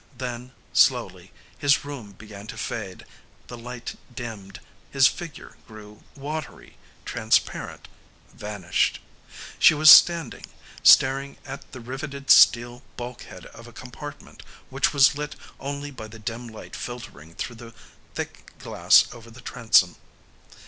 Then, slowly, his room began to fade, the light dimmed, his figure grew watery, transparent, vanished. She was standing, staring at the riveted steel bulkhead of a compartment which was lit only by the dim light filtering through the thick glass over the transom.